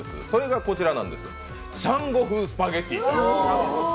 それがこちらなんです、シャンゴ風スパゲッティ。